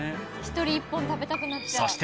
１人１本食べたくなっちゃう。